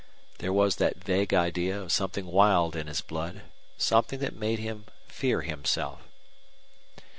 There was that vague idea of something wild in his blood, something that made him fear himself.